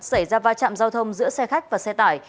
xảy ra va chạm giao thông giữa xe khách và xe tải